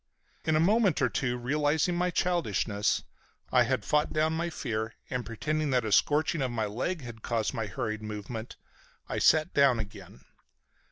In a moment or two, realizing my childishness, I had fought down my fear and, pretending that a scorching of my leg had caused my hurried movement, I sat down again.